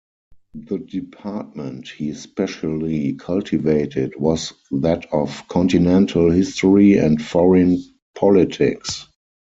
The department he specially cultivated was that of continental history and foreign politics.